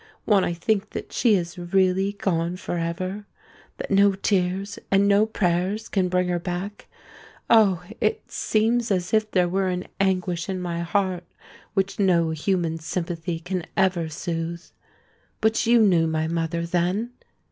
When I think that she is really gone for ever—that no tears and no prayers can bring her back—ah! it seems as if there were an anguish in my heart which no human sympathy can ever soothe. But you knew my mother, then?"